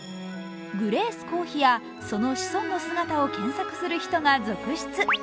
グレース公妃やその子孫の姿を検索する人が続出。